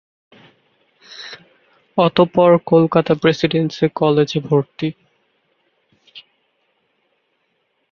অতঃপর কলকাতা প্রেসিডেন্সি কলেজে ভর্তি।